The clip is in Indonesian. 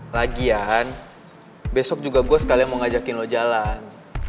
lagian besok juga gue sekalian mau ngajakin lo jalan